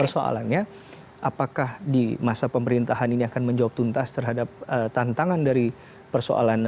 persoalannya apakah di masa pemerintahan ini akan menjawab tuntas terhadap tantangan dari persoalan